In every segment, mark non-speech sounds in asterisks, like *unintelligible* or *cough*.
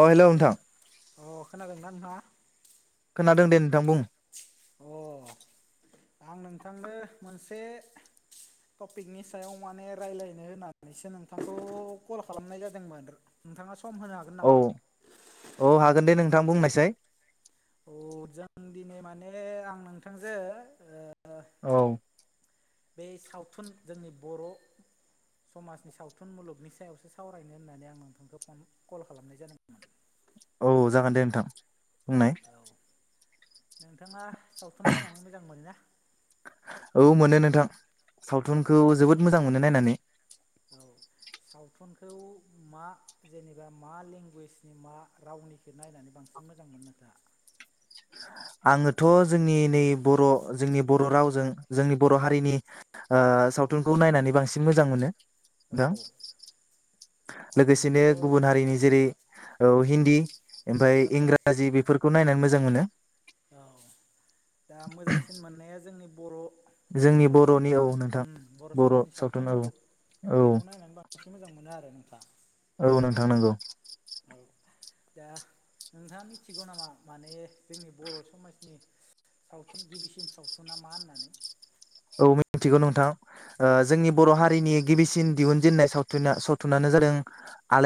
अ hello नोंथां अ खोनागोनना नोंथाङा? खोनादों दे नोंथां बुं अ आं नोंथांनो मोनसे टपिकनि सायाव माने रायलायनो होननानैसो नोंथांखौ कल खालामनाय जादोंमोन नोंथाङा स सम होनो हागोन औ नामा? औ हागोन दे नोंथां बुंनायसै! अ जों दिनै माने आं नोंथांजोे ओ। औ बे सावथुन जोंनि बर' समाजनि सावथुन मुलुगनि सायावसो सावरायनो होननानै आं नोंथांखौ फन कल खालामनाय जादोंमोन। *inaudible* औ जागोन दे नोंथां बुंनाय। औ नोंथाङा सावथुन नायनानै मोजां मोनो ना? औ मोनो नोंथां सावथुनखौ जोबोद मोजां मोनो नायनानै औ सावथुनखौ मा जेनेबा मा लेंगुवेजनि मा रावनिखौ नायनानै बां सिन मोजां मोनो नोंथाङा? आङोथ' जोंनि नै बर' जोंनि बर' रावजों जोंनि बर' हारिनि ओ सावथुनखौ नायनानै बांसिन मोजां मोनो। औ *unintelligible* बेथ' लोगोसेनो औ गुबुन हारिनि जेरै- औ हिन्दी ओमफ्राय इंराजि बेफोरखौ नायनानै मोजां मोनो। औ दा मोजांसिन मोननाया जोंनि बर' जोंनि सावथुन बर'नि औ नोंथां उम बर' समाजनि सावथुन औ मुलुग औ बेखौ नायनानै बांसिन मोजां मोनो आरो। नोंथां औ नोंथां नंगौ। औ दा नोंथाङा मिथिगौ नामा माने जोंनि बर' समाजनि सावथुन गिबिसिन सावथुना मा होननानै औ मिथिगौ नोंथां ओ औ जोंनि बर' हारिनि गिबिसिन दिहुनजेननाय सावथुना सावथुनानो जादों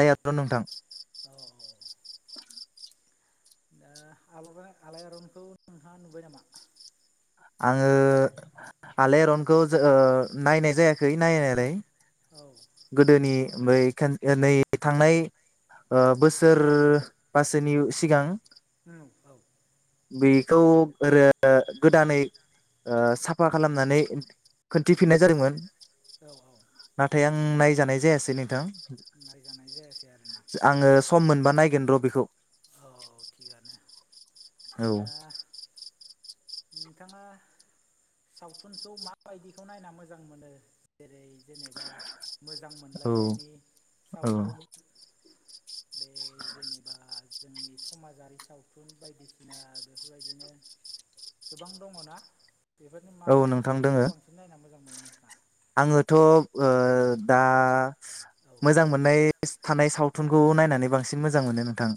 औ आरन नोंथां औ दा आलरा आलाय आरनखौ नोंथाङा नुबाय नामा? आङो आलाय आरनखौ जो ओ नायनाय जायाखै नायनायालाय। औ गोदोनि बै नै थांनाय ओ बोसोर बासोनि सिगां औ बेखौ ओरो गोदानै ओ साफा खालामनानै। औ खोनन्थिफिननाय जादोंमोन औ औ नाथाय आं नायजानाय जायासै नोंथां। नायजानाय जायासै आरोना आङो सम मोनबा नायगोन र' बेखौ। औ थिगानो औ दा नोंथाङा सावथुनखौ माबायदिखौ नायना मोजां मोनो? जेरै- जेनेबा मोजां औ मोनलायनायनि औ सावथुन बे जेनेबा जोंनि समाजारि सावथुन बायदिसिना बेफोरबायदिनो गोबां दङ ना? बेफोरनो औ माबायदि नोंथां दोङो सावथुनखौ बांसिन नायना मोजां मोनो नोंथाङा? आङोथ' ओ दा औ मोजां मोननाय थानाय सावथुनखौ नायनानै बांसिन मोजां मोनो नोंथां।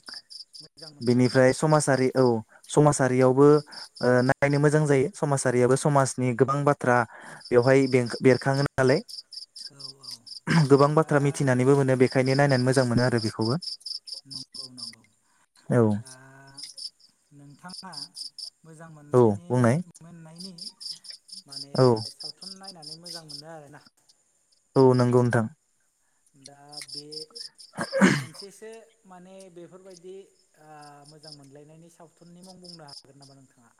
मोजां मोननाय बेनिफ्राय समाजारि औ औ समाजारियावबो ओ नायनो मोजां जायो समाजारियाबो समाजनि गोबां बाथ्रा बेवहाय बेंख बेरखाङो नालाय। औ औ गोबां दा बाथ्रा मिथिनानैबो मोनो बेखायनो नायनानै मोजां मोनो आरो बेखौबो। नंगौ नंगौ। औ दा नोंथाङा मोजां औ मोननायनि बुंनाय मोननायनि माने औ सावथुन नायनानै मो जां मोनो आरो ना। औ नंगौ नोंथां। दा बे मोनसेसो माने बेफोरबायदि आ मोजां मोनलायनायनि सावथुननि मुं बुंनो हागोन नामा नोंथाङा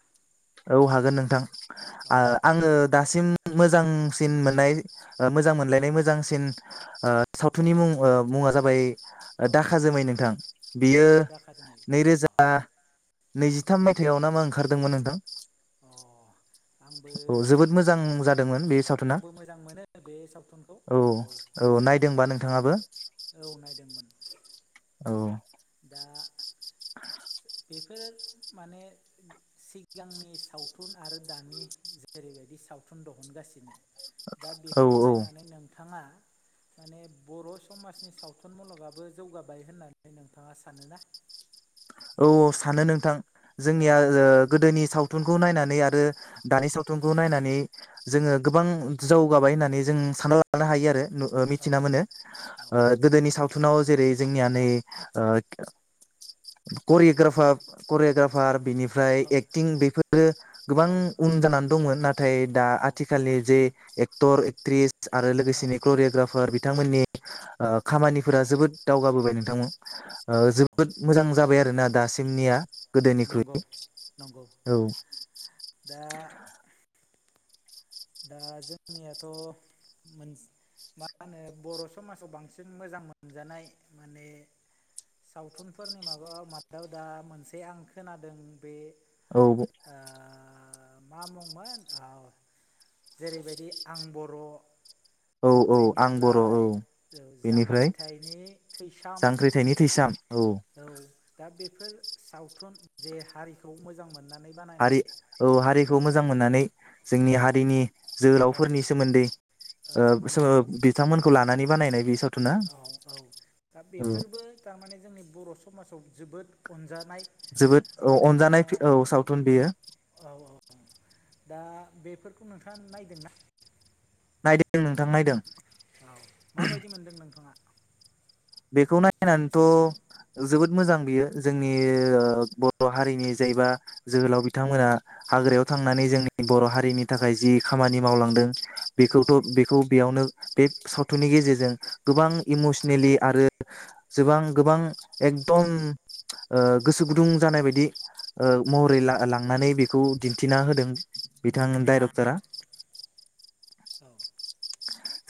औ हागोन नोंथां। औ आ आङो दासिम मोजांसिन मोननाय ओ मोजां मोनलायनाय मोजांसिन ओ औ सावथुननि मुं ओ मुङा जाबाय ओ औ दाखा जोमै नोंथां। औ बियो दाखा जोमै अ नैरोजा नैजिथाम मायथाइयाव ना मा ओंखारदोंमोन नोंथां। अ आंबो औ जोबोद मोजां जादोंमोन बे सावथुना आंबो मोजां मोनो बे सावथुनखौ औ। औ नायदोंबा नोंथाङाबो औ नायदोंमोन। औ। दा बेफोर माने सिगांनि सावथुन आरो दानि जेरैबायदि साव सावथुन दिहुनगासिनो। दा औ बेखौ औ नायनानै नोंथाङा माने बर' समाजनि सावथुन मुलुगाबो जौगाबाय होननानै नों थाङा सानो ना? औ औ सानो नोंथां जोंनिया ओ गोदोनि साव थुनखौ नायनानै आरो दानि सावथुनखौ नायनानै जोङो औ गोबां जौगाबाय होननानै जों सानना लानो हायो आरो ओ औ मिथिना मोनो। औ ओ गोदोनि साव थुनाव जेरै जोंनिया नै ओ करिग्राफार करिय'गाफार बिनि फ्राय औ एक्टिं बेफोरो गोबां उन जानानै दंमोन। नाथाय दा औ आथिखालनि जे एक टर एक्ट्रिस आरो औ लोगोसेनो करिय'ग्राफार बि थांमोननि ओ खामानिफोरा जोबोद दावगाबोबाय नोंथांमो। औ जोबोद मोजां जाबाय आरो ना दासिमनिया। नंगौ गोदोनिख्रुइ नंगौ औ दा दा जोंनियाथ' मोनस मा होनो बर' समाजाव बांसिन मोजां मोनजानाय माने सावथुनफोरनि माबायाव माबायाव दा मोनसे आं खोनादों बे औ ब ओ मा मुंमोन ओ जेरैबायदि आं बर' औ औ आं बर' औ बेनिफ्राय बेनिफ्राय जांख्रिथायनि थैसाम जांख्रिथायनि थैसाम औ दा बेफोर सावथुन जे हारिखौ मोजां मोन नानै हारि बानायनाय औ हारिखौ औ मोजां मोननानै जोंनि हारिनि औ जोहोलावफोरनि ओ सोमोन्दै ओ सोमोन्दै *unintelligible* बिथांमोनखौ लानानै बानायनाय बे *unintelligible* औ औ दा औ बेफोरबो थारमाने जोंनि बर' समाजाव जोबोद अनजा जोबोद औ अनजानाय औ सावथुन बेयो। औ औ दा बेफोरखौ नोंथाङा नायदों ना? नायदों नोंथां नायदों। औ माबायदि मोनदों नोंथाङा? बेखौ नायनानैथ'। जोबोद मोजां बियो जोंनि ओ बर' हारिनि जायबा जोहोलाव बिथांमोना। हाग्रायाव थांनानै जोंनि बर' हारिनि थाखाय जि खामानि मावलांदों। औ बेखौथ' बेखौ बेयावनो बे सावथुननि गेजेरजों गोबां इमसनेलि आरो जबां गोबां एकदम ओ गोसो गुदुं जानाय ओ बायदि महरै। लांनानै बेखौ दिन्थिना होदों बिथां डाइरेक्टरा। औ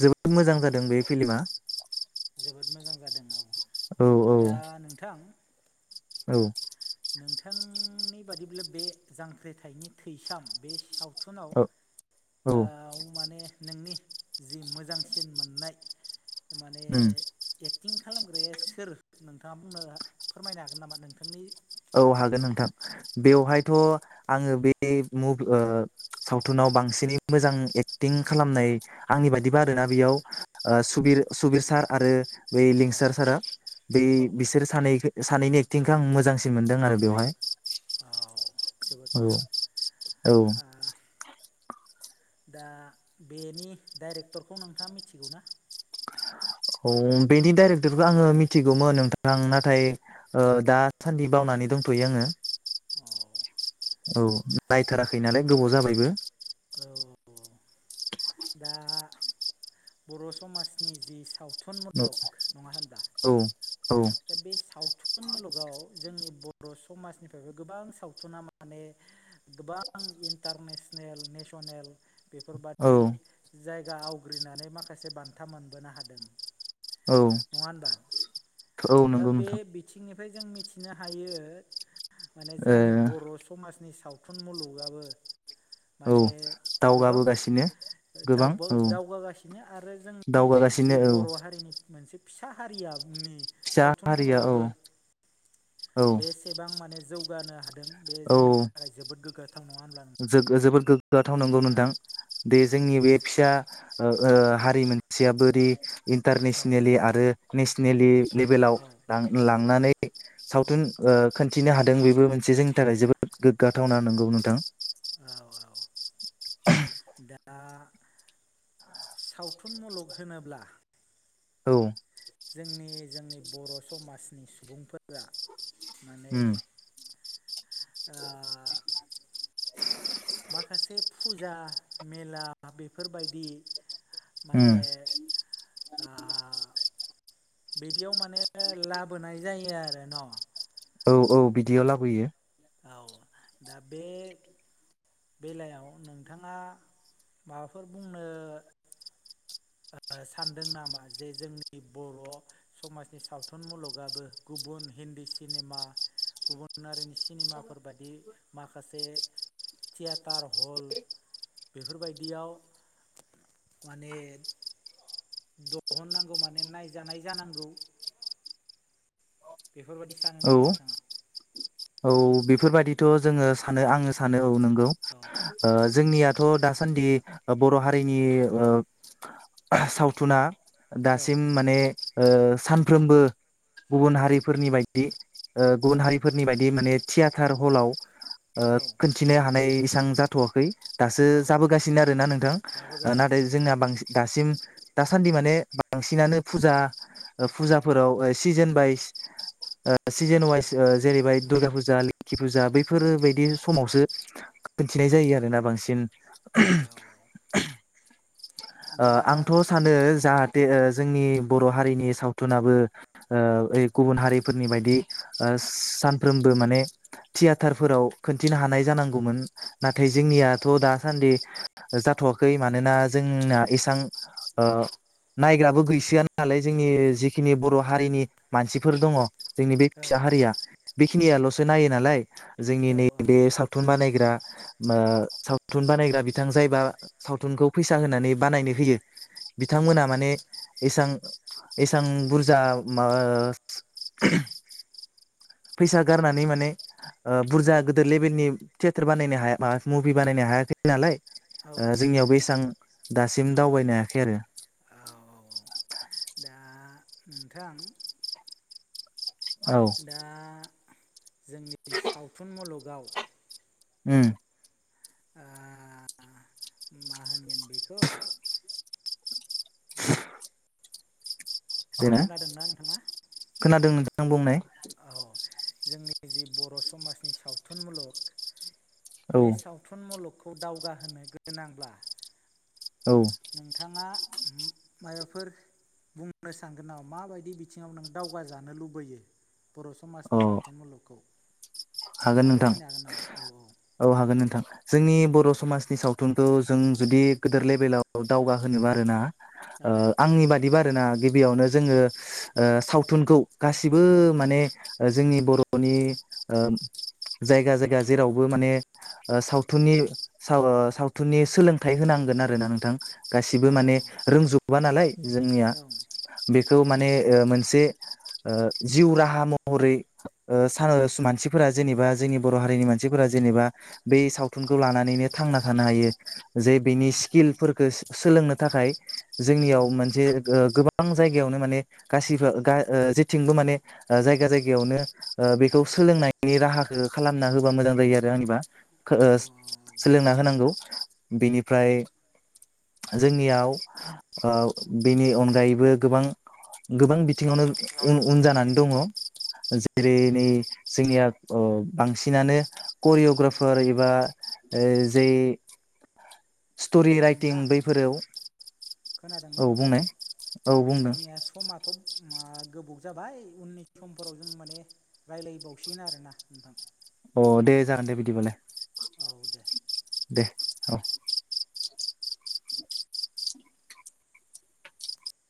जोबोद मोजां जादों बे फिल्मा। जोबोद मोजां जादों औ औ औ दा नोंथां। औ नोंथांनि बादिब्ला बे जांख्रिथायनि थैसाम बे साव। औ औ सावथुनाव माने नोंनि जि मोजांसिन मोननाय माने उम एक्टिं खालामग्राया सोर नोंथाङा बुंनो फोरमायनो हागोन नामा नोंथांनि। औ थाखाय हागोन नोंथां औ बेवहायथ' आङो बे बे मुि सावथुनाव बांसिनै मोजां एक्टिं खालामनाय आंनि बायदिबा औ आरोना बेयाव ओ सुबिर सुबिर सार आरो। बै औ लिंसार सारा बै औ औ बिसोर सानै सानैनि एक्टिंखौ आं मोजांसिन मोनदों आरो बेवहाय औ जोबोद औ मोजां औ ओ। दा बेनि डाइरेक्टरखौ नोंथाङा मिथिगौ ना। औ बेनि डाइरेक्टरखौ आङो मिथिगौमोन नोंथां नाथाय दासान्दि बावनानै। नानै दंथ'यो आङो। औ औ नायथाराखै नालाय गोबाव जाबायबो। औ दा बर' समाजनि जि साव सावथुन औ मुलग नङा होनदा औ औ दा बे सावथुन सावथुन मुलुगाव जोंनि बर' समाजनिफ्रायबो गोबां सावथुना माने गोबां इन्टारनेसनेल नेस'नेल औ बेफोरबादि जायगा आवग्रिनानै माखासे बान्था मोनबोनो हादों। औ नङा होनबा? औ दा नंगौ बे नोंथां बिथिंनि ओमफ्राय जों मिथिनो हायो माने जोंनि ओ बर' समाजनि सावथुन सावथुन मुलुगाबो औ माने गोबां दावगाबोगासिनो गोबां औ दावगागासिनो आरो जोंनि जि दावगागासिनो औ बर' हारिनि मोनसे फिसा हारिया बुंनि फिसा सावथुन हारिया औ मुलुगाबो औ बेसेबां माने जौगानो हायो। बे औ जोंनि थाखाय जोबोद गोग्गाथ जोबोद गोग्गाथाव नंगौ नोंथां द नोंथां? जोंनि बे फिसा ओ हारि मोनसेया बोरै औ इन्टारनेसनेलि आरो नेसनेलि लेभेलाव औ लांनानै सावथुन खोनन्थिनो हादों बेबो मोनसे जोंनि थाखाय जोबोद गोग्गाथावना नंगौ नोंथां। औ औ दा सावथुन मुलुग होनोब्ला। औ जोंनि जोंनि बर' समाजनि सुबुंफोरा माने उम आ माखासे फुजा मेला बेफोरबायदि उम माने आ बिदियाव माने लाबोनाय जायो आरो न' औ औ बिदियाव लाबोयो औ दा बे बेलायाव नोंथाङा माबाफोर बुंनो औ सानदों नामा जे जोंनि बर' समाजनि सावथुन मुलुगाबो गुबुन दी सिनेमा गुबुन हारिनि सिनेमाफोर बायदि माखासे थियेटार हल बेफोरबायदियाव माने दिहुननांगौ माने नायजानाय जानांगौ बेफोरबायदि सानो औ नामा नोंथाङा? औ बेफोरबायाददिथ' जोङो सानो आङो सानो औ नंगौ औ ओ जोंनियाथ' दासान्दि ओ बर' हारिनि ओ सावथुना औ दासिम माने ओ सानफ्रोमबो गुबुन हारिफोरनि बायदि ओ गुबुन औ हारिफोरनि बायदि माने थियाेटार हलाव ओ खिन्थिनो हानाय बेसबां जाथ'वाखै दासो औ जाबोगासिनो आरोना नोंथां ओ जाबोगासिनो नाथाय जोंना जाबोगासिनो बांसिन दासिम दासान्दि माने बांसिनानो फुजा फुजाफोराव सिजोन वाइस ओ सिजेन वाइस जेरैबाय दुर्गा फुजा लोखि फुजा बैफोर बायदि समावसो खोनथिनाय जायो आरोना बांसिन *unintelligible* *inaudible* ओ दा आंथ' सानो जाहाथ जोंनि बर' हारिनि सावथुनाबो गुबुन हारिफोरनि बायदि सानफ्रोमबो माने थियाटारफोराव खिन्थिनो हानाय जानांगौमोन नाथाय जोंनिया थ' दासान्दि जाथ'आखै मानोना जोंना इसां ओ नायग्राबो गैसोआ नालाय जोंनि जिखिनि बर' हारिनि मानसिफोर दङ जोंनि बे औ फिसा हारिया बेखिनियाल'सो नायो नालाय जोंनि औ औ नैबे सावथुन बानाय ग्रा सावथुन बानायग्रा बिथां जायबा सावथुनखौ फैसा होनानै बानायनो होयो नंगौ बिथांमोना माने इसां इसां बुरजा मा फैसा गारनानै माने ओ औ बुरजा गोदिर लेबेलनि थियेटार बानायनो हाया म मुभि बानायनो हायाखै नालाय औ ओ जोंनियाव बेसबां दासिम दावबायनो हायाखै आरो *inaudible* औ दा जोंनि सावथुन मुलुगाव उम ओ मा होनगोन बेखौ *inaudible* खोनादोंना नोंथाङा? आं बुंनाय औ जोंनि जि बर' समाजनि सावथुन मुलुग औ बे सावथुन मुलुगखौ दावगाहोनो गोनांब्ला औ नोंथाङा माबाफोर बुंनो सानगोन नामा माबायदि बिथिङाव नों दावगाजानो लुबैयो बर' अ समाजनि सावथुन मुलुगखौ हागोन नोंथाङा नोंथां फोरमायनो हागोन नामा औ औ हागोन नोंथां जोंनि बर' समाजनि सावथुनखौ जों जुदि गोदिर लेबेलाव दावगाहोनोबा आरोना ओ आंनि बादिबा आरोना गिबियावनो जोङो सावथुनखौ गासिबो औ माने जोंनि बर'नि जायगा जायगा जेरावबो माने ओ सावथुननि सावथुननि सोलोंथाइ होनांगोन आरोना नोंथां गासिबो माने रोंजोबबा नालाय जोंनिया बे खौ माने ओ मोनसे ओ जिउ राहा महरै ओ *unintelligible* फोरा जेनेबा जोंनि बर' हारिनि मानसिफोरा जेनेबा बे सावथुनखौ लानानैनो थांना थानो हायो। जे बेनि स्किलफोरखौ सोलोंनो थाखाय जोंनियाव मोनसे गोबां गोबां जायगायावनो माने गासिबो ओ जेथिंबो माने जायगा जायगायावनो बेखौ सोलोंनाय नि राहाखौ खालामना होबा मोजां जायो आरो होनबा ओ सोलोंना होनांगौ बेनिफ्राय जोंनियाव बेनि अनगायैबो गोबां गोबां बिथिङावनो औ उन उन जानानै दङ औ जेरै नै जोंनिया ओ बांसिनानो करिय'ग्राफार एबा ओ जे स्टरि राइटिं बैफोराव खोनादोंबा औ नोंथां बुंनाय औ बुंदों जोंनिया समाथ' मा गोबाव जाबाय उननि समफोराव जों माने रायलायबावसिगोन आरो ना नोंथां अ दे जागोन दे बिदिबालाय औ दे दे औ